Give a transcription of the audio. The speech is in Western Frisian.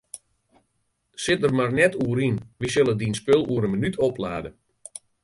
Sit der mar net oer yn, wy sille dyn spul oer in minút oplade.